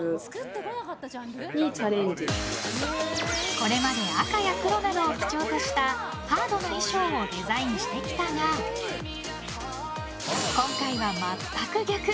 これまで赤や黒などを基調としたハードな衣装をデザインしてきたが今回は全く逆！